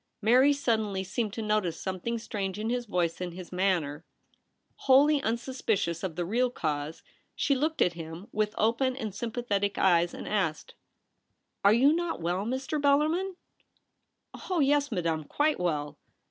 Mary suddenly seemed to notice something strange in his voice and his manner. Wholly unsuspicious of the real cause, she looked at him with open and sym pathetic eyes, and asked :* Are you not well, Mr. Bellarmin ?'* Oh yes, Madame, quite well.'